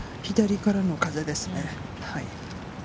左からの風ですね。